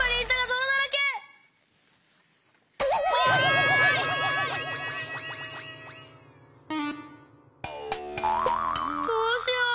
どうしよう。